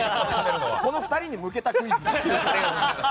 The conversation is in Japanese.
この２人に向けたクイズ。